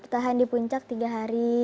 bertahan di puncak tiga hari